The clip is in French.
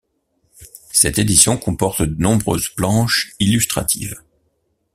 Cette édition comporte de nombreuses planches illustratives.